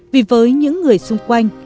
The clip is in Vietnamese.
vì với những người xung quanh